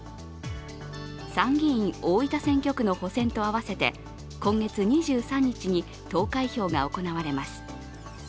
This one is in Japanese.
参議院大分選挙区の補選と合わせて今月２３日に投開票が行われます。